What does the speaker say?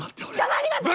黙りません！